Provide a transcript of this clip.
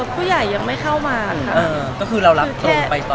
ผู้ใหญ่ยังไม่เข้ามาค่ะก็คือเรารับตรงไปต่อ